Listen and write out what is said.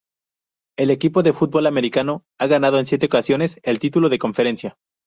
El equipo de fútbol americano ha ganado en siete ocasiones el título de conferencia.